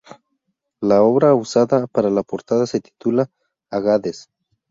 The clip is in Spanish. La obra usada para la portada se titula "Agadez".